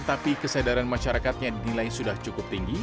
tapi kesadaran masyarakatnya dinilai sudah cukup tinggi